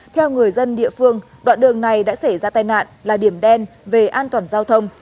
theo người dân địa phương đoạn đường này đã xảy ra tai nạn là điểm đen về an toàn giao thông